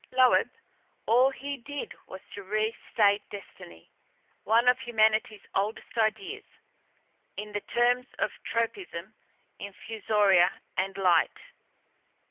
Loeb all he did was to restate destiny, one of humanity's oldest ideas, in the terms of tropisms, infusoria and light.